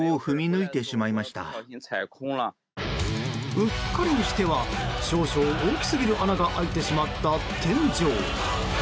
うっかりにしては少々、大きすぎる穴が開いてしまった天井。